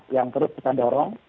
yang terus kita dorong